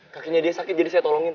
kakinya dia sakit jadi saya tolongin